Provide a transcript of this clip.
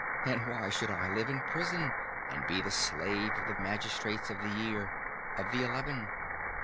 And why should I live in prison, and be the slave of the magistrates of the year—of the Eleven?